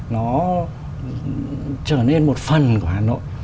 nó trở nên một phần của hà nội